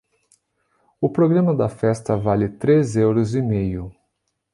O programa da festa vale três euros e meio.